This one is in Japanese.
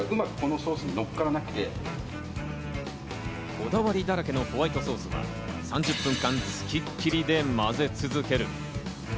こだわりだらけのホワイトソースは３０分間つきっきりで混ぜ続ける。